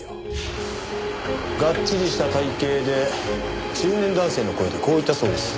がっちりした体形で中年男性の声でこう言ったそうです。